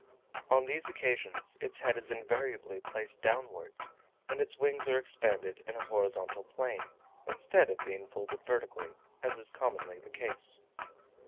On these occasions its head is invariably placed downwards; and its wings are expanded in a horizontal plane, instead of being folded vertically, as is commonly the case.